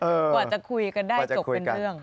กว่าจะคุยกันได้จบเป็นเรื่อง